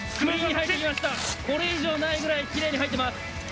これ以上ないぐらいきれいに入っています。